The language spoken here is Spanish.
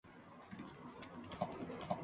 Cuatro piezas para clarinete y piano, op.